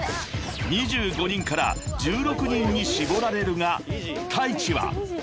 ［２５人から１６人に絞られるがＴａｉｃｈｉは］